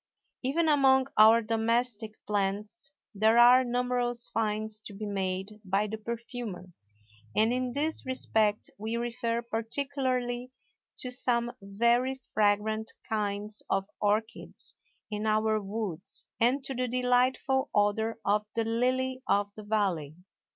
Even among our domestic plants there are numerous finds to be made by the perfumer, and in this respect we refer particularly to some very fragrant kinds of orchids in our woods and to the delightful odor of the lily of the valley.